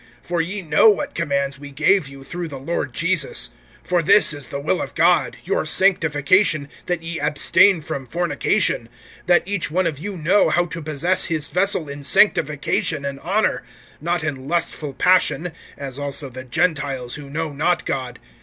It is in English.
(2)For ye know what commands we gave you, through the Lord Jesus. (3)For this is the will of God, your sanctification, that ye abstain from fornication; (4)that each one of you know how to possess[4:4] his vessel in sanctification and honor; (5)not in lustful passion, as also the Gentiles who know not God.